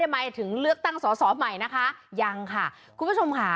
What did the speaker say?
หมายถึงเลือกตั้งสอสอใหม่นะคะยังค่ะคุณผู้ชมค่ะ